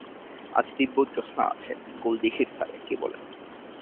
আজ দিব্য জ্যোৎস্না আছে, গোলদিঘির ধারে– কী বলেন?